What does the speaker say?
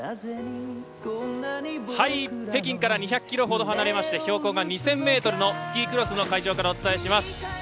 北京から２００ｋｍほど離れまして標高が２０００ｍのスキークロスの会場からお伝えします。